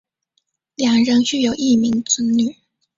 两人育有一名子女。